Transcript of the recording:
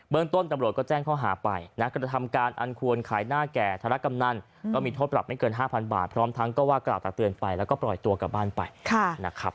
ภาพก็คือแต่งเอาทั้งหมดค่ะ